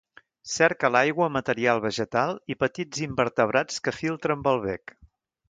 Cerca a l'aigua material vegetal i petits invertebrats que filtra amb el bec.